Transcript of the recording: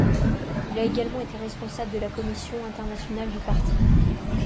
Il a également été responsable de la commission internationale du parti.